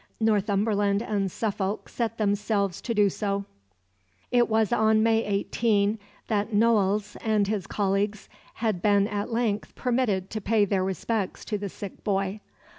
Northumberland and Suffolk set themselves to do so. It was on May 18 that Noailles and his colleagues had been at length permitted to pay their respects to the sick boy.